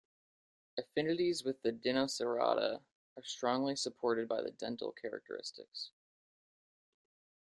Affinities with the Dinocerata are strongly supported by the dental characteristics.